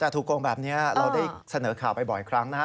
แต่ถูกโกงแบบนี้เราได้เสนอข่าวไปบ่อยครั้งนะฮะ